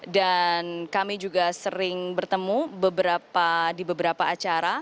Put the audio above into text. dan kami juga sering bertemu di beberapa acara